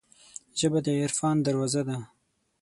ژبه د عرفان دروازه ده